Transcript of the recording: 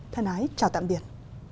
thân ái chào tạm biệt